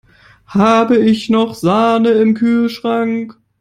Habe ich noch Sahne im Kühlschrank?